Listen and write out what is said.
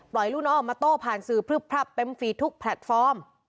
ลูกน้องออกมาโต้ผ่านสื่อพลึบพลับเต็มฟีดทุกแพลตฟอร์ม